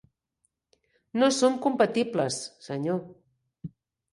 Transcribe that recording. No som compatibles, senyor.